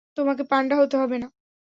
তোমাকে পান্ডা হতে হবে না।